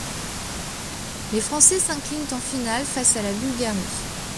Les Français s'inclinent en finale face à la Bulgarie.